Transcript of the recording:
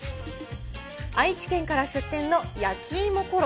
愛知県から出店のやきいもコロ。